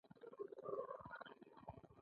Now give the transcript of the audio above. د ټولنې سیاسي چارې هم دوی کنټرولوي